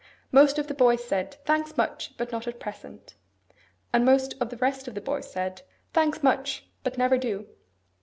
Most of the boys said, 'Thanks; much! But not at present.' And most of the rest of the boys said, 'Thanks; much! But never do.